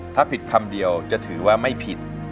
ถ้าผิดคำเดียวจะถือว่าไม่ผิด